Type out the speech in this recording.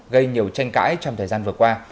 gây nhiều tranh cãi trong thời gian vừa qua